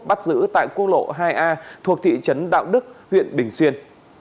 bắt giữ tại quốc lộ hai a thuộc thị trấn đạo đức huyện bình xuyên